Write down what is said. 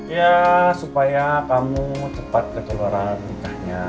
ya supaya kamu cepat kekeluaran nikahnya